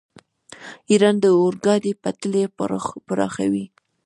ایران د اورګاډي پټلۍ پراخوي.